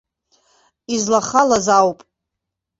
Излахалаз ауп.